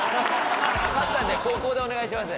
勝ったんで後攻でお願いします。